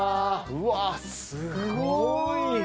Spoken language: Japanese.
うわすごい。